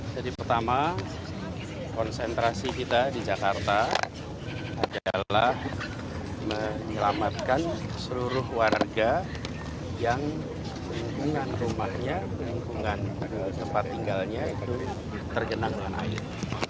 jadi pertama konsentrasi kita di jakarta adalah menyelamatkan seluruh warga yang penghubungan rumahnya penghubungan tempat tinggalnya itu tergenang dengan air